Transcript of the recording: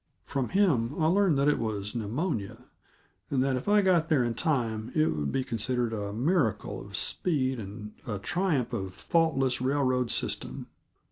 From him I learned that it was pneumonia, and that if I got there in time it would be considered a miracle of speed and a triumph of faultless railroad system.